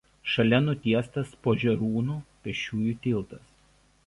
Šalia nutiestas Požerūnų pėsčiųjų tiltas.